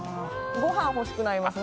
ご飯、欲しくなりますね。